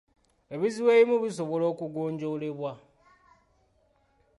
Ebizibu ebimu bisobola okugonjoolebwa.